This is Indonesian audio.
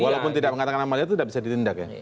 walaupun tidak mengatakan amaliat itu nggak bisa ditindak ya